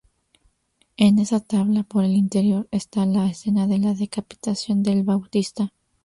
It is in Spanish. En esa tabla por el interior está la escena de la decapitación del Bautista.